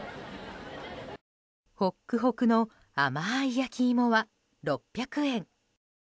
ホックホクの甘い焼き芋は６００円。